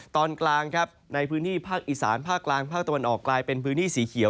ตอนกลางครับในพื้นที่ภาคอีสานภาคกลางภาคตะวันออกกลายเป็นพื้นที่สีเขียว